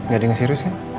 gak ada yang serius kan